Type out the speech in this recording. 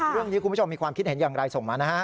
คุณผู้ชมมีความคิดเห็นอย่างไรส่งมานะฮะ